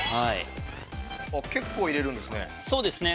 ◆結構入れるんですね。